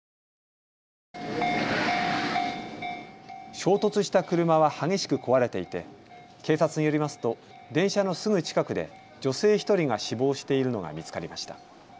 衝突した車は激しく壊れていて警察によりますと電車のすぐ近くで女性１人が死亡しているのが見つかりました。